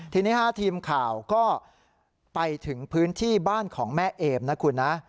ทีนี้ทีมข่าวก็ไปถึงพื้นที่บ้านของแม่เอมนะคุณนะ